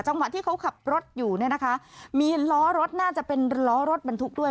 ที่เขาขับรถอยู่เนี่ยนะคะมีล้อรถน่าจะเป็นล้อรถบรรทุกด้วย